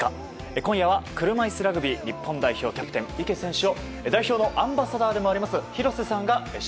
今夜は車いすラグビー日本代表キャプテン池選手を代表のアンバサダーでもあります